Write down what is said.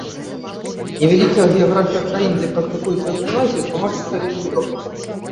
Невялікая геаграфія краін, дзе практыкуецца эўтаназія, тлумачыцца вельмі лёгка.